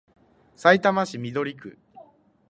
さいたま市緑区